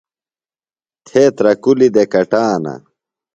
تھےۡ ترہ کُلیۡ دےۡ کٹانہ۔